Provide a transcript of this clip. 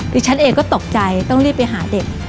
ดิฉันเองก็ตกใจต้องรีบไปหาเด็ก